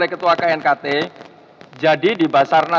sampai sejauh ini